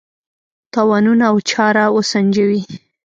تاوانونه او چاره وسنجوي.